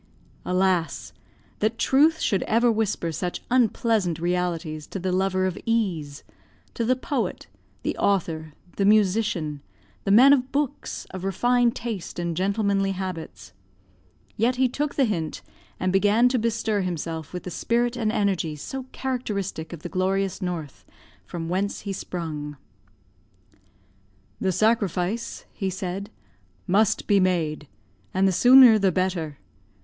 Alas! that truth should ever whisper such unpleasant realities to the lover of ease to the poet, the author, the musician, the man of books, of refined taste and gentlemanly habits. Yet he took the hint, and began to bestir himself with the spirit and energy so characteristic of the glorious North, from whence he sprung. "The sacrifice," he said, "must be made, and the sooner the better.